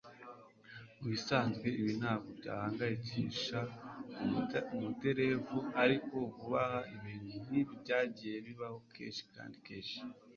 Mubisanzwe ibi ntabwo byahangayikisha umuderevu ariko vuba aha ibintu nkibi byagiye bibaho kenshi kandi kenshi